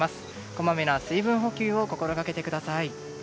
こまめな水分補給を心掛けてください。